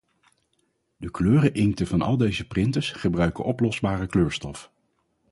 De kleuren-inkten van al deze printers gebruiken oplosbare kleurstof.